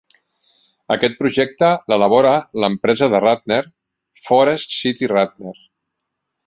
Aquest projecte l'elabora l'empresa de Ratner, Forest City Ratner.